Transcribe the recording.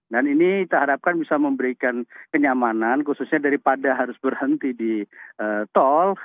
dan ini kita harapkan bisa memberikan kenyamanan khususnya daripada harus berhenti di tol